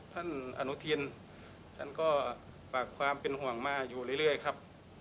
ท่านอนุทินท่านก็ฝากความเป็นห่วงมาอยู่เรื่อยครับ